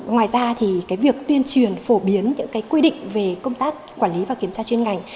ngoài ra việc tuyên truyền phổ biến những quy định về công tác quản lý và kiểm tra chuyên ngành